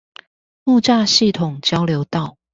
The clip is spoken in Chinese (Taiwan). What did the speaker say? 木柵系統交流道